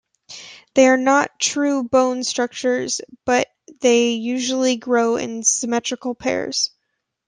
They are not true bone structures but they usually grow in symmetrical pairs.